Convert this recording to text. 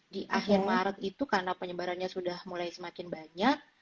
di akhir maret itu karena penyebarannya sudah mulai semakin banyak